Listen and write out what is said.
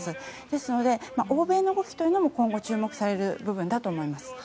ですので欧米の動きというのも今後、注目される部分だと思います。